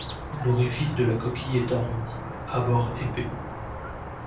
L'orifice de la coquille est arrondi, à bords épais.